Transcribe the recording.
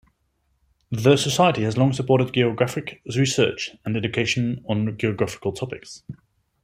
The society has long supported geographic research and education on geographical topics.